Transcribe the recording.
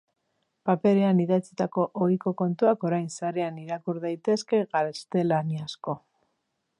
Paperean idatzitako ohiko kontuak orain sarean irakur daitezke gaztelaniazko.